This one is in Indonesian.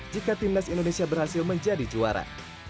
jika timnas indonesia berhasil menjadi juara